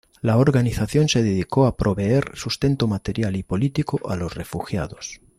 La organización se dedicó a proveer sustento material y político a los refugiados.